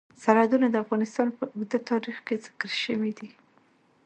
سرحدونه د افغانستان په اوږده تاریخ کې ذکر شوی دی.